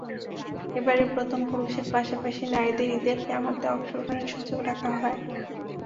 এবারই প্রথম পুরুষের পাশাপাশি নারীদের ঈদের জামাতে অংশগ্রহণের সুযোগ রাখা হয়।